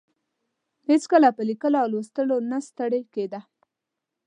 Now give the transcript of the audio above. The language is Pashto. هېڅکله په لیکلو او لوستلو نه ستړې کیده.